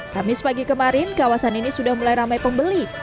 kami sepagi kemarin kawasan ini sudah mulai ramai pembeli